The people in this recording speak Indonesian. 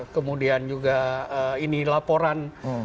kemudian juga ini laporan